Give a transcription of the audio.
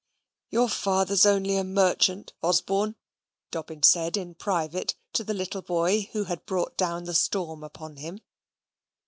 "Your father's only a merchant, Osborne," Dobbin said in private to the little boy who had brought down the storm upon him.